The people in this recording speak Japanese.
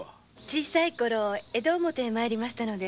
小さいころ江戸表へ参りましたので。